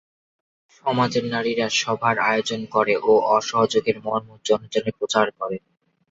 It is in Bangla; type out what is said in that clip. সমাজের নারীরা সভার আয়োজন করে ও অসহযোগের মর্ম জনে জনে প্রচার করে।